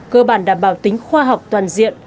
cơ bản đảm bảo tính khoa học toàn diện